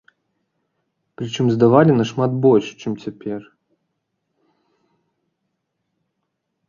Прычым здавалі нашмат больш, чым цяпер.